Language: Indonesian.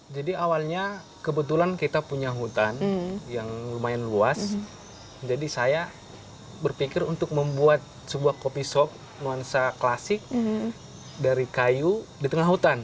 jadi awalnya kebetulan kita punya hutan yang lumayan luas jadi saya berpikir untuk membuat sebuah kopi shop nuansa klasik dari kayu di tengah hutan